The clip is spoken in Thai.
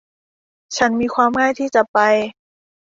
ฉันมีความง่ายที่จะไป